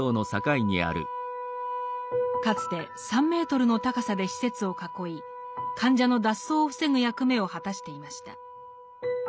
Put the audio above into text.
かつて３メートルの高さで施設を囲い患者の脱走を防ぐ役目を果たしていました。